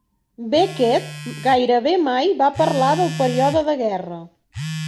Beckett gairebé mai va parlar del període de guerra.